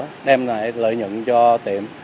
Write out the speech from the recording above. nên cái hoạt động này đem lại lợi nhận cho tiệm